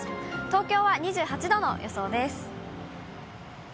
東京は２８度の予想です。